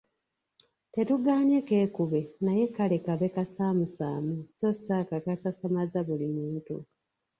Tetugaanye keekube naye kale kabe kasaamusaamu so si ako akasasamaza buli omu.